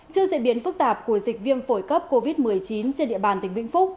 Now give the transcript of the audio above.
trước diễn biến phức tạp của dịch viêm phổi cấp covid một mươi chín trên địa bàn tỉnh vĩnh phúc